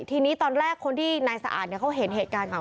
ทีนี้ตอนแรกคนที่นายสะอาดเขาเห็นเหตุการณ์ก่อน